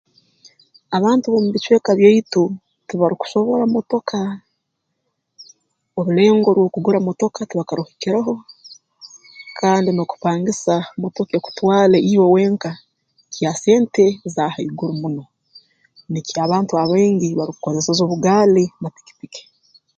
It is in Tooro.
Abantu b'omu bicweka byaitu tibarukusobora motoka orulengo rw'okugura motoka tibakaruhikireho kandi n'okupangisa motoka ekutwale iwe wenka kya sente za haiguru muno nikyo abantu abaingi barukukozesa obugaali na pikipiki